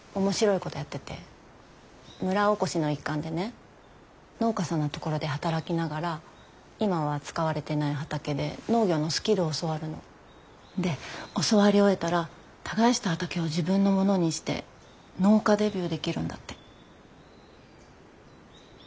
村おこしの一環でね農家さんのところで働きながら今は使われてない畑で農業のスキルを教わるの。で教わり終えたら耕した畑を自分のものにして農家デビューできるんだって。